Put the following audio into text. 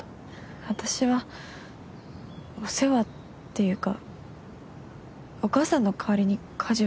私はお世話っていうかお母さんの代わりに家事をやってるだけで。